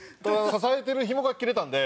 支えてるひもが切れたんで。